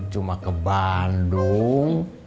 cuma ke bandung